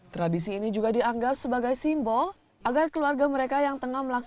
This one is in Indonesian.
tradisi ini juga dianggap sebagai simbol agar keluarga mereka yang tengah melaksanakan